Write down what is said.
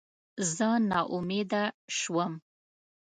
زه ناامیده شوم.